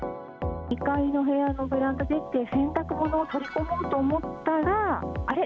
２階のベランダ出て、洗濯物を取り込もうと思ったら、あれ？